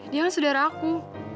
dia kan saudara aku